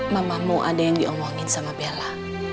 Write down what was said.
mamamu ada yang diomongin sama bella